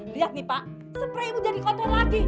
lihat nih pak spray ibu jadi kotor lagi